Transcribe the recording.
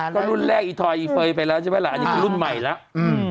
ตอนรุ่นแรกอีทอยเฟย์อยู่ไปนะอันนี้มันรุ่นใหม่แล้ว